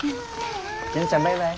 樹奈ちゃんバイバイ。